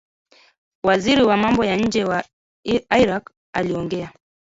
Waziri wa mambo ya nje wa Iraq aliongea